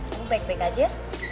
kamu baik baik aja